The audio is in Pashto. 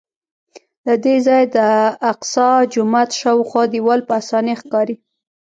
له دې ځایه د الاقصی جومات شاوخوا دیوال په اسانۍ ښکاري.